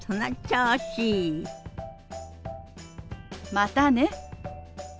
またね。